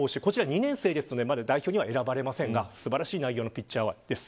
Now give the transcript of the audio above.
２年生なので代表には選ばれていませんが素晴らしい内容のピッチャーです。